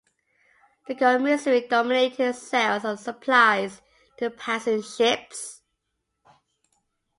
The commissary dominated sales of supplies to passing ships.